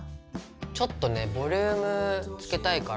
ちょっとねボリュームつけたいから。